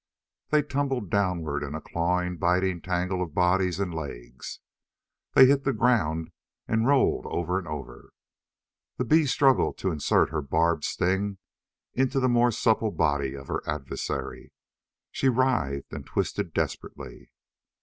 They tumbled downward in a clawing, biting, tangle of bodies and legs. They hit the ground and rolled over and over. The bee struggled to insert her barbed sting in the more supple body of her adversary. She writhed and twisted desperately.